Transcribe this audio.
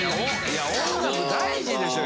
いや音楽大事でしょう。